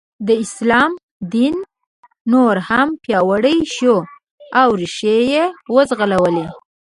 د اسلام دین نور هم پیاوړی شو او ریښې یې وځغلولې.